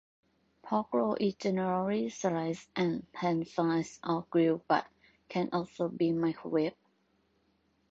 Pork Roll is generally sliced and pan-fried or grilled, but can also be microwaved.